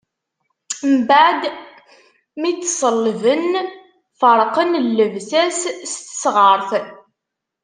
Mbeɛd mi t-ṣellben, ferqen llebsa-s s tesɣart.